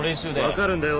分かるんだよ